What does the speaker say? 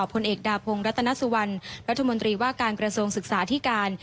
ผลเอกดาพงศ์รัตนสุวรรณรัฐมนตรีว่าการกระทรวงศึกษาที่การ